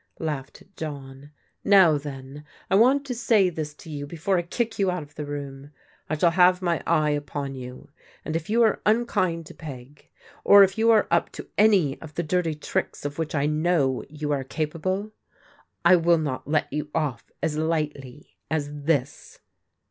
" laughed John. " Now then, I want to say this to you before I kick you out of the room. I shall have my eye upon you, and if you are unkind to Peg, or if you are up to any of the dirty tricks of which I laiow you are capable, I will not let you off as lightly as this.